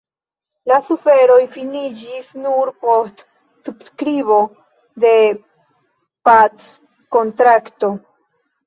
La suferoj finiĝis nur post subskribo de packontrakto.